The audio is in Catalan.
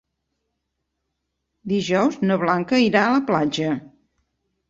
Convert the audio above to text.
Dijous na Blanca irà a la platja.